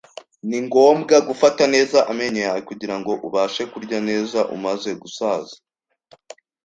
Ni ngombwa gufata neza amenyo yawe kugirango ubashe kurya neza umaze gusaza